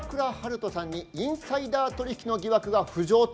人さんにインサイダー取引の疑惑が浮上と。